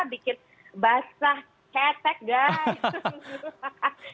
bikin basah ketek guys